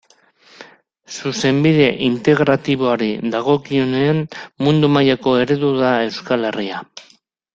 Zuzenbide Integratiboari dagokionean mundu mailako eredu da Euskal Herria.